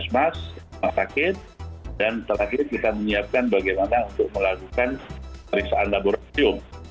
dan selanjutnya kita menyiapkan bagaimana untuk melakukan periksaan laboratorium